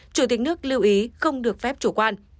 chủ tịch nước lưu ý không được phép chủ quan